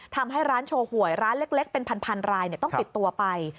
ทำให้ร้านโชว์หวยร้านเล็กเป็นพันรายต้องปิดตัวไป